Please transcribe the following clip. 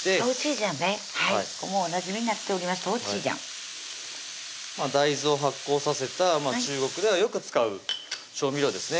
豆醤大豆を発酵させた中国ではよく使う調味料ですね